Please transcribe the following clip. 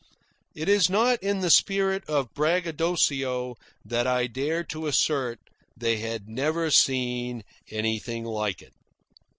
It is not in the spirit of braggadocio that I dare to assert they had never seen anything like it.